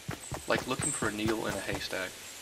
Like looking for a needle in a haystack.